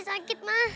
jangan sampai nek